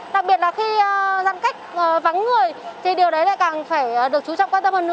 đặc biệt là khi giãn cách vắng người thì điều đấy lại càng phải được chú trọng quan tâm hơn nữa